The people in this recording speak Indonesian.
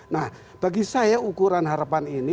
nah bagi saya ukuran harapan ini